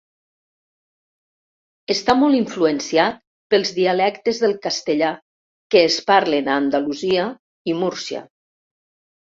Està molt influenciat pels dialectes del castellà que es parlen a Andalusia i Múrcia.